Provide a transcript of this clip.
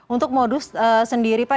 untuk modus sendiri pak